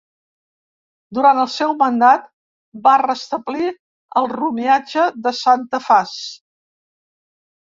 Durant el seu mandat va restablir el romiatge de Santa Faç.